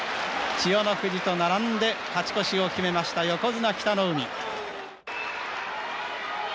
千代の富士と並んで勝ち越しを決めました横綱北の湖。